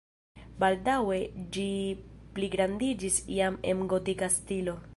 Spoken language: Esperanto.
Baldaŭe ĝi pligrandiĝis jam en gotika stilo.